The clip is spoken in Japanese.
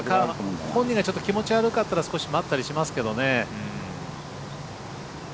本人が気持ち悪かったら少し待ったりしますけどね。